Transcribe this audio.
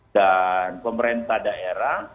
dan pemerintah daerah